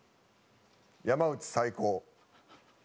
山内最高。